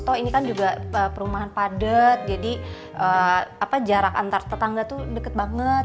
toh ini kan juga perumahan padat jadi jarak antar tetangga tuh deket banget